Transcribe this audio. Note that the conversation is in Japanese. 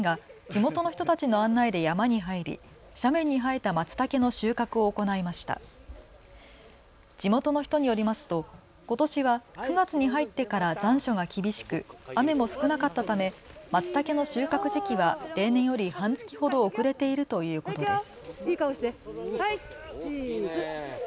地元の人によりますとことしは９月に入ってから残暑が厳しく雨も少なかったため、まつたけの収穫時期は例年より半月ほど遅れているということです。